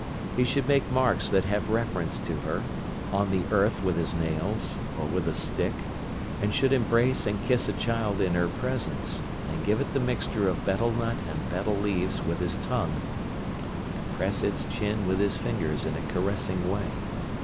He should make marks that have reference to her, on the earth with his nails, or with a stick, and should embrace and kiss a child in her presence, and give it the mixture of betel nut and betel leaves with his tongue, and press its chin with his fingers in a caressing way.